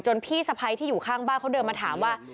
พี่สะพ้ายที่อยู่ข้างบ้านเขาเดินมาถามว่า